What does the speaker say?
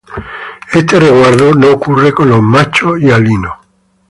Este resguardo no ocurre con los machos hialinos.